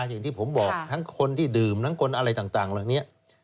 อย่างที่ผมบอกทั้งคนที่ดื่มทั้งคนอะไรต่างเหล่านี้